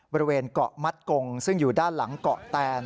บริเวณเกาะมัดกงซึ่งอยู่ด้านหลังเกาะแตน